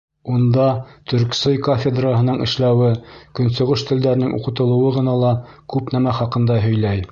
Унда ТӨРКСОЙ кафедраһының эшләүе, Көнсығыш телдәренең уҡытылыуы ғына ла күп нәмә хаҡында һөйләй.